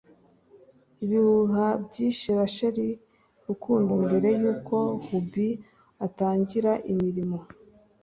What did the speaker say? Ibihuha byishe Rachel Rukundo mbere yuko hubby atangira imirimo